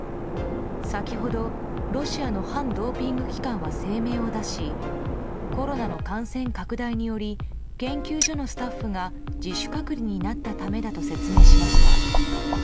先ほど、ロシアの反ドーピング機関は声明を出しコロナの感染拡大により研究所のスタッフが自主隔離になったためだと説明しました。